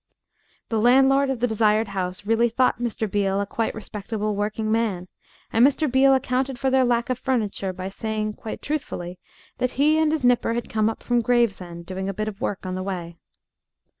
The landlord of the desired house really thought Mr. Beale a quite respectable working man, and Mr. Beale accounted for their lack of furniture by saying, quite truthfully, that he and his nipper had come up from Gravesend, doing a bit of work on the way.